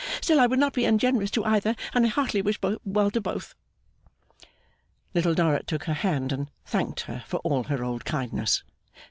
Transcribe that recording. still I would not be ungenerous to either and I heartily wish well to both.' Little Dorrit took her hand, and thanked her for all her old kindness.